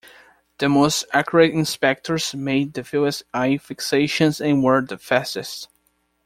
The most accurate inspectors made the fewest eye fixations and were the fastest.